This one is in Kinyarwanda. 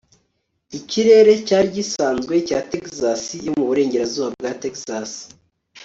ikirere cyari gisanzwe cya texas yo mu burengerazuba bwa texas